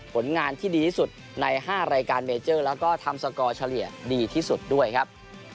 ผลงานที่ดีสุดในห้ารายการแล้วก็ทำเป็นดีที่สุดด้วยครับ